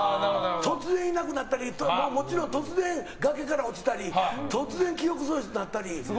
突然いなくなったりもちろん突然崖から落ちたり突然記憶喪失になったり。